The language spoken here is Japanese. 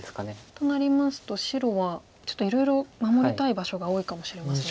となりますと白はちょっといろいろ守りたい場所が多いかもしれません。